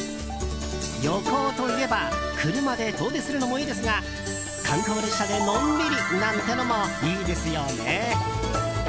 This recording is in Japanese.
旅行といえば車で遠出するのもいいですが観光列車でのんびりなんてのもいいですよね。